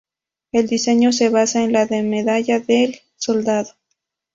El diseño se basa en la de la Medalla del Soldado.